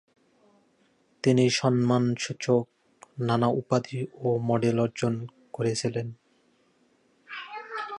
তিনি সম্মানসূচক নানা উপাধি ও মেডেল অর্জন করেছিলেন।